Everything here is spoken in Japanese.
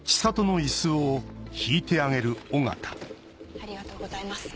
ありがとうございます。